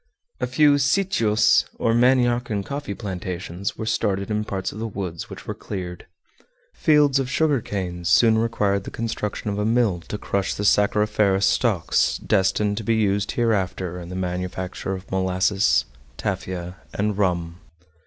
A few "sitios," or manioc and coffee plantations, were started in parts of the woods which were cleared. Fields of sugar canes soon required the construction of a mill to crush the sacchariferous stalks destined to be used hereafter in the manufacture of molasses, tafia, and rum.